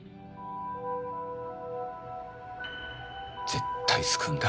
絶対救うんだ。